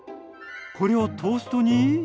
これをトーストに？